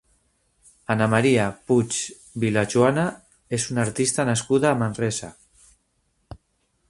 Anna Maria Puig Vilajuana és una artista nascuda a Manresa.